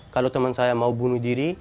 kalau teman saya mau bunuh diri